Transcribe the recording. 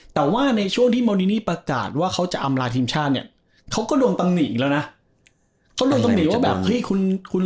แต่ว่าในช่วงที่มารินี่ประกาศว่าจะอำลาดทีมชาติเนี่ยเขาก็ลงต่ำหนิเหมือนกัน